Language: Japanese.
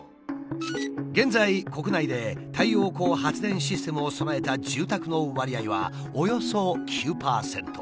現在国内で太陽光発電システムを備えた住宅の割合はおよそ９％。